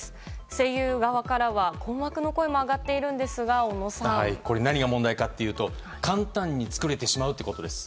声優側からは、困惑の声も上がっているんですがこれ、何が問題かというと簡単に作れてしまうことです。